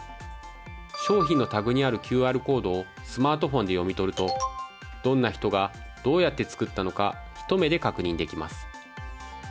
商品のタグにあるＱＲコードをスマートフォンで読み取るとどんな人がどうやって作ったのかひと目で確認できます。